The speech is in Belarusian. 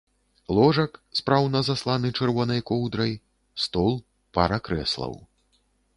Ложак, спраўна засланы чырвонай коўдрай, стол, пара крэслаў.